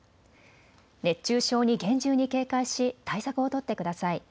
熱中症に厳重に警戒し対策を取ってください。